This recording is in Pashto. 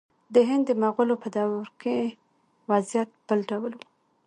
د هند د مغولو په دور کې وضعیت بل ډول و.